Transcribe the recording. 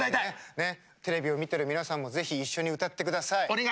テレビを見てる皆さんもぜひ一緒に歌ってください。